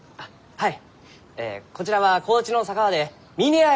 はい。